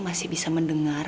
masih bisa mendengar